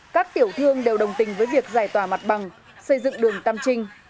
các tiểu thương đều đồng tình với việc giải tỏa mặt bằng xây dựng đường tam trinh